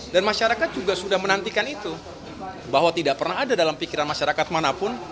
dan masyarakat juga sudah menantikan itu bahwa tidak pernah ada dalam pikiran masyarakat manapun